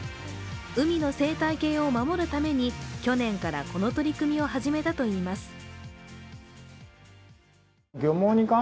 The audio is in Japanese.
海野生態系を守るために去年からこの取り組みを始めたといいます。